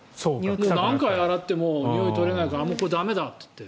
何回洗ってもにおいが取れないから駄目だと言って。